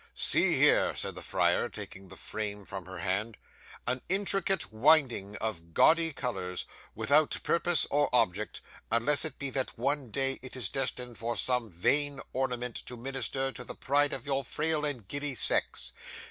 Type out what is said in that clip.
'"See here," said the friar, taking the frame from her hand, "an intricate winding of gaudy colours, without purpose or object, unless it be that one day it is destined for some vain ornament, to minister to the pride of your frail and giddy sex.